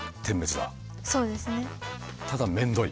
ただめんどい！